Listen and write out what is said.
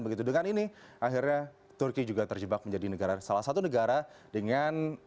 begitu dengan ini akhirnya turki juga terjebak menjadi salah satu negara dengan